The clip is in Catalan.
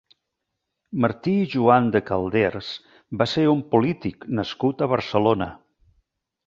Martí Joan de Calders va ser un polític nascut a Barcelona.